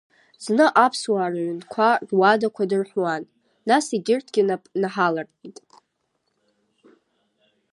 Зны аԥсуаа рыҩнқәа, руадақәа дырҳәуан, нас егьырҭгьы нап наҳаларкит.